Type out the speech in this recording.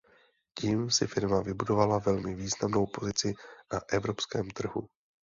Tím si firma vybudovala velmi významnou pozici na evropském trhu.